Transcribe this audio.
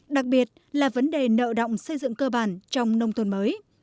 đặc biệt là vấn đề nợ động xây dựng cơ bản trong nông thôn mới